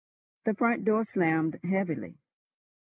The front door slammed heavily.